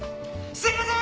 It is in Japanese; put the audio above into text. すみません！